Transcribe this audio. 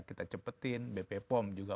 kita cepetin bp pom juga